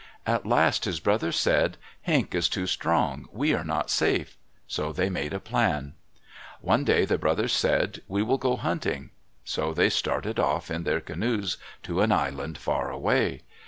At last his brothers said, "Henq is too strong. We are not safe." So they made a plan. One day the brothers said, "We will go hunting." So they started off in their canoes to an island far away.